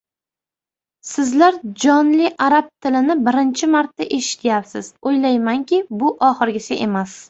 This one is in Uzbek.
Sizlar jonli arab tilini birinchi marta eshityapsiz, o‘ylaymanki, bu — oxirgisi emas.